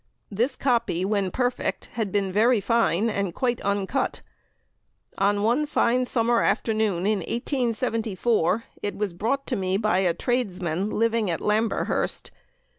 This copy when perfect had been very fine and quite uncut. On one fine summer afternoon in 1874 it was brought to me by a tradesman living at Lamberhurst.